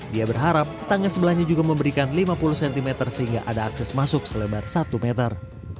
dia berharap tetangga sebelahnya juga memberikan lima puluh cm sehingga ada akses masuk selebar satu meter